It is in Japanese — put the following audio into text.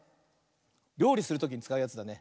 りょうりするときにつかうやつだね。